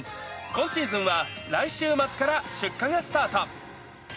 今シーズンは、来週末から出荷がスタート。